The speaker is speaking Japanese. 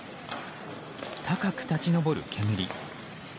高く立ち上る煙。